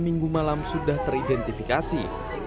minggu malam sudah teridentifikasi